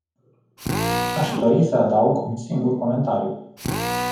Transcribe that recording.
Aș dori să adaug un singur comentariu.